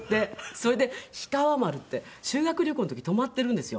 それで氷川丸って修学旅行の時泊まっているんですよ。